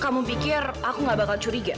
kau berpikir kalau aku abis kabur sekarang